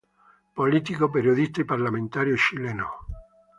Político, periodista y parlamentario chileno.